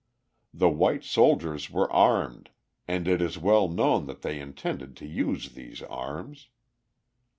The white soldiers were armed, and it is well known that they intended to use these arms.